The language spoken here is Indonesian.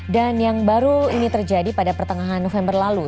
dan yang baru ini terjadi pada pertengahan november lalu